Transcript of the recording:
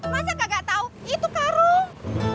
masa kagak tahu itu karung